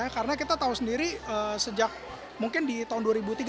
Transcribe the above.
karena kita tahu sendiri sejak mungkin di tahun dua ribu tiga belas dua ribu empat belas